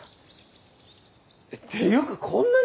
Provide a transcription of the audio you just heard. っていうかこんなに！？